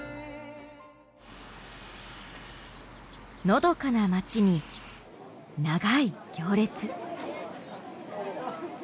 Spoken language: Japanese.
のどかなまちに長い行列。